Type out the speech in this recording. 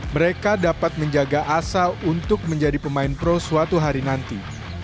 mereka dapat menjaga asa untuk menjadi pemain pro suatu hari nanti